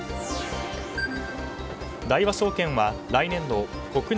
大和証券は来年度国内